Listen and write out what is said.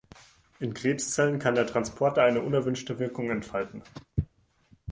In Krebszellen kann der Transporter eine unerwünschte Wirkung entfalten.